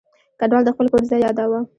کډوال د خپل کور ځای یاداوه.